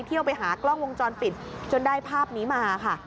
เที่ยวไปหากล้องวงจรปิดจนได้ภาพนี้มาค่ะ